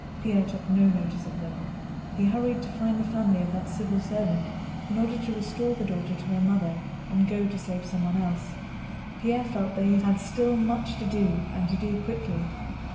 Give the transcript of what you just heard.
Pierre took no notice of them. He hurried to find the family of that civil servant in order to restore the daughter to her mother and go to save someone else. Pierre felt that he had still much to do and to do quickly.